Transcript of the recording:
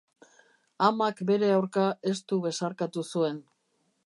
Amak bere aurka estu besarkatu zuen.